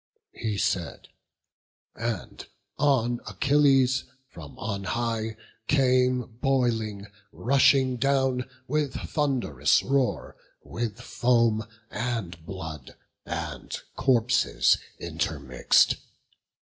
He said; and on Achilles, from on high Came boiling, rushing down, with thund'ring roar, With foam and blood and corpses intermix'd.